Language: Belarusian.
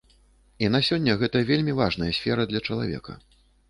І на сёння гэта вельмі важная сфера для чалавека.